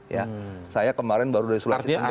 ya saya kemarin baru dari sulawesi tengah